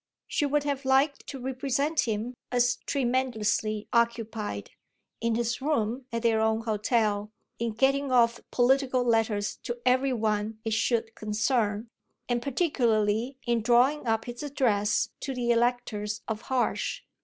She would have liked to represent him as tremendously occupied, in his room at their own hotel, in getting off political letters to every one it should concern, and particularly in drawing up his address to the electors of Harsh.